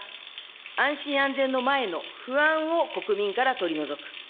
安心安全の前の不安を国民から取り除く。